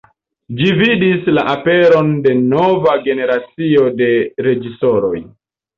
Ĝi vidis la aperon de nova generacio de reĝisoroj.